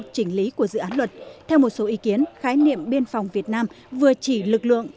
chỉnh lý của dự án luật theo một số ý kiến khái niệm biên phòng việt nam vừa chỉ lực lượng